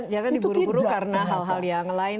jangan diburu buru karena hal hal yang lain